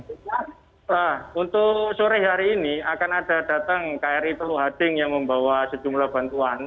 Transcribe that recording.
nah untuk sore hari ini akan ada datang kri teluhading yang membawa sejumlah bantuan